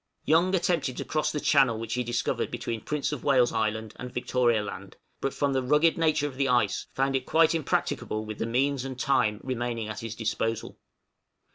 Young attempted to cross the channel which he discovered between Prince of Wales' Island and Victoria Land; but from the rugged nature of the ice, found it quite impracticable with the means and time remaining at his disposal.